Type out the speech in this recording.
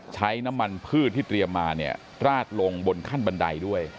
ใช้น้ำมันพืชที่เตรียมมาเนี่ยราดลงบนขั้นบันไดด้วย